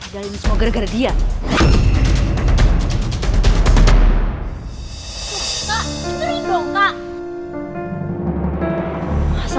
dan ini semua gara gara dia